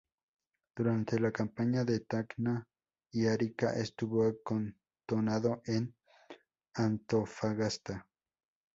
Durante la Campaña de Tacna y Arica estuvo acantonado en Antofagasta.